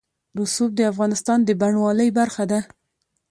رسوب د افغانستان د بڼوالۍ برخه ده.